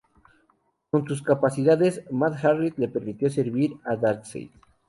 Con sus capacidades, Mad Harriet le permitió servir a Darkseid.